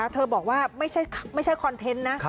บอกว่าไม่ใช่คอนเทนต์นะ